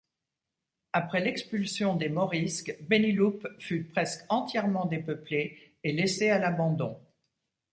Après l'expulsion des Morisques, Benillup fut presque entièrement dépeuplé et laissé à l'abandon.